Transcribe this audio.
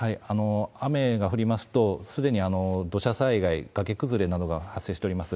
雨が降りますと、すでに土砂災害、崖崩れなどが発生しております。